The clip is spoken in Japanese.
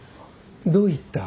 どういった？